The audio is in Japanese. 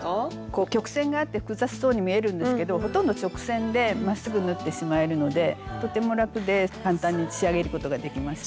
こう曲線があって複雑そうに見えるんですけどほとんど直線でまっすぐ縫ってしまえるのでとても楽で簡単に仕上げることができました。